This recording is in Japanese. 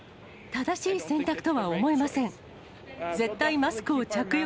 正しい選択とは思えません。